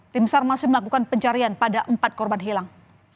tim sar masih melakukan pencarian pada empat korban hilang